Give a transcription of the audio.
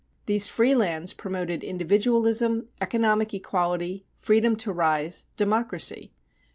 These free lands promoted individualism, economic equality, freedom to rise, democracy.